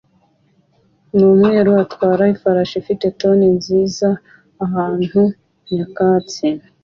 n'umweru atwara ifarashi ifite tone nziza ahantu nyakatsi